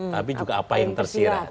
tapi juga apa yang tersirat